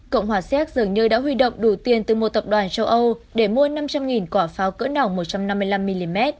cộng hòa xéc dường như đã huy động đủ tiền từ một tập đoàn châu âu để mua năm trăm linh quả pháo cỡ nỏng một trăm năm mươi năm mm